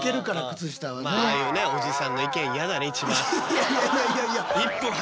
いやいやいやいやいや！